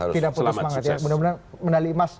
tidak putus semangat ya